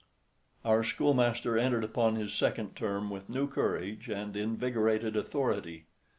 Our schoolmaster entered upon his second term with new courage and invigorated authority.